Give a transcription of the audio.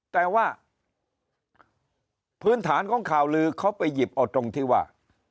แต่ว่าพื้นฐานของข่าวลือเขาไปหยิบเอาตรงที่ว่า